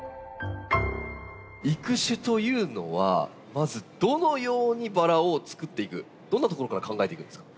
育種というのはまずどのようにバラをつくっていくどんなところから考えていくんですか？